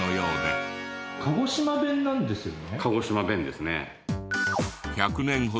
鹿児島弁なんですよね？